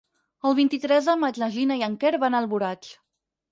El vint-i-tres de maig na Gina i en Quer van a Alboraig.